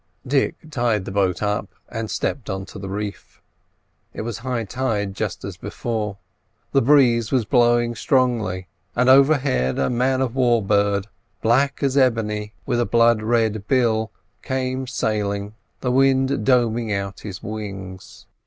Dick tied the boat up, and stepped on to the reef. It was high tide just as before; the breeze was blowing strongly, and overhead a man of war's bird, black as ebony, with a blood red bill, came sailing, the wind doming out his wings.